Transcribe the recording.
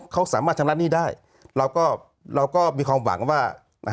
เขาสามารถชำระหนี้ได้เราก็มีความหวังว่า